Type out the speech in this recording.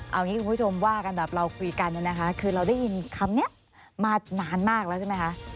เอางี้คุณผู้ชมว่ากันแบบเราคุยกันเนี่ยนะคะคือเราได้ยินคำนี้มานานมากแล้วใช่ไหมคะ